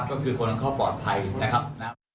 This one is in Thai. ก็คือคนเขาปลอดภัยนะครับนะ